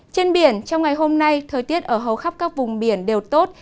trên biển trong ngày hôm nay thời tiết ở hầu khắp các vùng biển đều tốt